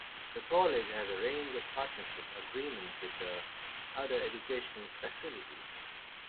The college has a range of partnership agreements with other educational facilities.